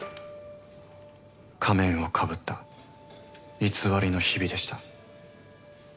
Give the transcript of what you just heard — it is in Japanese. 仮面をかぶった偽りの日々でした。